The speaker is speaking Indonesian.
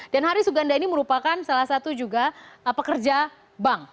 dan hari suganda ini merupakan salah satu juga pekerja bank